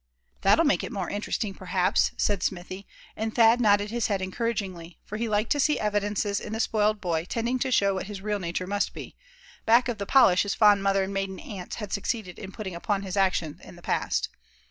"That'll make it more interesting, perhaps," said Smithy; and Thad nodded his head encouragingly; for he liked to see evidences in the spoiled boy tending to show what his real nature must be, back of the polish his fond mother and maiden aunts had succeeded in putting upon his actions in the past.